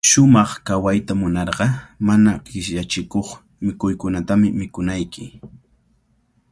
Shumaq kawayta munarqa, mana qishyachikuq mikuykunatami mikunayki.